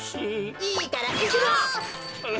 いいからいくの。